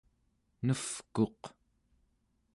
nevkuq